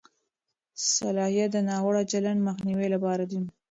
صلاحیت د ناوړه چلند مخنیوي لپاره دی.